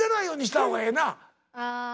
ああ。